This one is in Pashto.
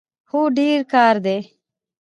هو، ډیر کار دی